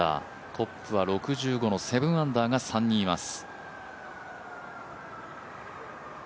トップは６５の７アンダーが３人います。